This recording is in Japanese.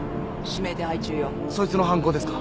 そいつの犯行ですか？